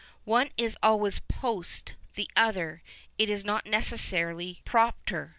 One is always post the other ; it is not necessarily propter.